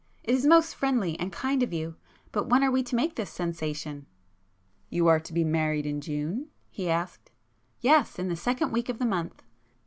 It is most friendly and kind of you! But when are we to make this sensation?" "You are to be married in June?" he asked. "Yes,—in the second week of the month."